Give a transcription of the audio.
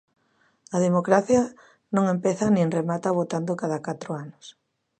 A democracia non empeza nin remata votando cada catro anos.